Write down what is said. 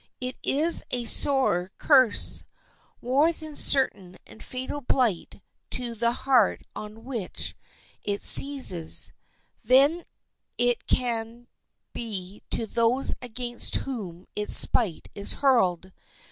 It is a sorer curse, a more certain and fatal blight to the heart on which it seizes, than it can be to those against whom its spite is hurled.